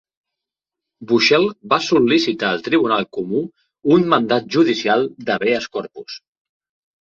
Bushel va sol·licitar al tribunal comú un mandat judicial d'"habeas corpus".